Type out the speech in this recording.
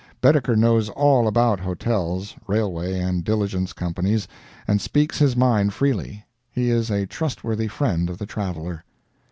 Baedeker knows all about hotels, railway and diligence companies, and speaks his mind freely. He is a trustworthy friend of the traveler.